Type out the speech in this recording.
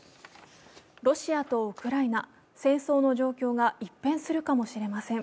ロシアとウクライナ、戦争の状況が一変するかもしれません。